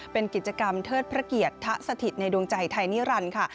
เป็นกิจกรรมเทิดพระเกียรติทะสถิตในดวงใจไทยนิรันดิ์ค่ะ